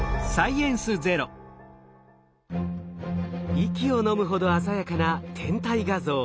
息をのむほど鮮やかな天体画像。